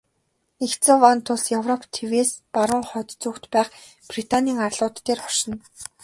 Нэгдсэн вант улс Европ тивээс баруун хойд зүгт байх Британийн арлууд дээр оршино.